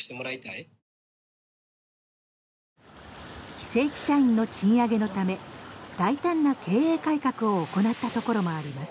非正規社員の賃上げのため大胆な経営改革を行ったところもあります。